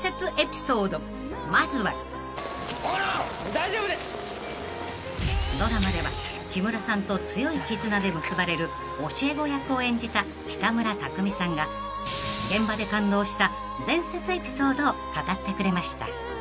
「大丈夫です」［ドラマでは木村さんと強い絆で結ばれる教え子役を演じた北村匠海さんが現場で感動した伝説エピソードを語ってくれました］